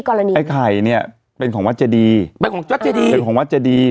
ไอ้ไข่เนี่ยเป็นของวัดเจดีเป็นของวัดเจดีเป็นของวัดเจดี